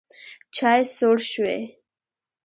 چای سوړ شوی